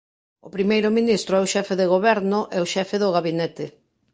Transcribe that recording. O primeiro ministro é o xefe de goberno e o xefe do gabinete.